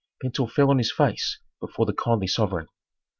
Pentuer fell on his face before the kindly sovereign.